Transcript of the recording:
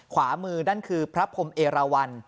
ขวามือนั่นคือพระพรมเอราวัน